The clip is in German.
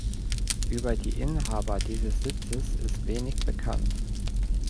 Über die Inhaber dieses Sitzes ist wenig bekannt.